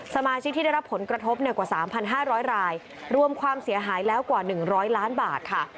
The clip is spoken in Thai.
สมาชิกที่ได้รับผลกระทบกว่า๓๕๐๐รายรวมความเสียหายแล้วกว่า๑๐๐ล้านบาทค่ะ